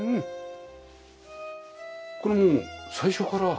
これはもう最初から。